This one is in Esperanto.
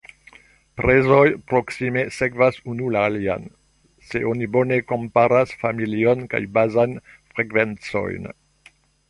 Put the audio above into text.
Prezoj proksime sekvas unu la alian, se oni bone komparas familion kaj bazajn frekvencojn.